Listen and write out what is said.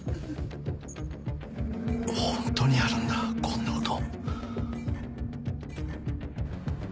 ホントにあるんだこんなこと。